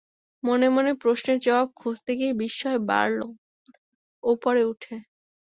মনে মনে প্রশ্নের জবাব খুঁজতে গিয়ে বিস্ময় বাড়ল ওপরে উঠে।